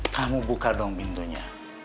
kamu buka dong pintunya